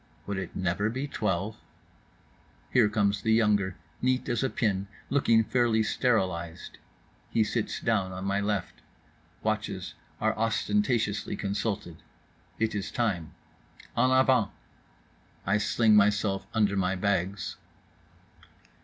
Would it never be Twelve? Here comes the younger, neat as a pin, looking fairly sterilized. He sits down on my left. Watches are ostentatiously consulted. It is time. En avant. I sling myself under my bags.